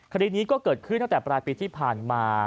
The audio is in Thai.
คดีนี้ก็เกิดขึ้นตั้งแต่ปลายปีที่ผ่านมา